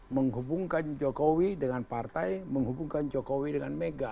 menghubungkan jokowi dengan partai menghubungkan jokowi dengan mega